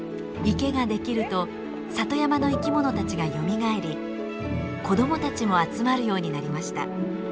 池ができると里山の生き物たちがよみがえり子どもたちも集まるようになりました。